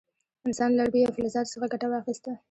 انسان له لرګیو او فلزاتو څخه ګټه واخیسته.